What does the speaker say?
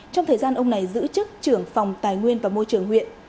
trong thời gian ông này giữ chức trưởng phòng tài nguyên và môi trường huyện